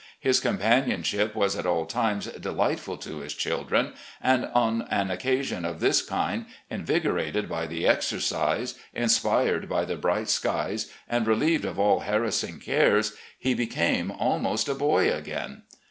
His companionship was at all times delightful to his children, and on an occasion of this kind, invigorated by the exer* MOUNTAIN RIDES 271 else, inspired by the bright skies and relieved of all harassing cares, he became almost a boy again.